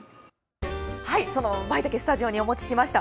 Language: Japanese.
そのまいたけスタジオにお持ちしました。